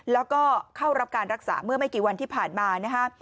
แล้วก็เข้ารับการรักษาเมื่อไม่กี่วันที่ผ่านมานะฮะ